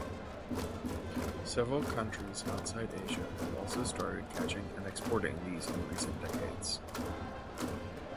Several countries outside Asia have also started catching and exporting these in recent decades.